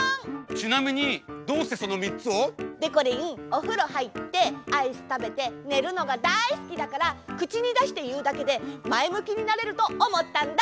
ちなみにどうしてそのみっつを？でこりんおふろはいってアイスたべてねるのがだいすきだからくちにだしていうだけでまえむきになれるとおもったんだ！